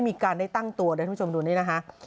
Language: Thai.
มีการได้ตั้งตัวด้วยคุณผู้ชมดูนี้นะฮะ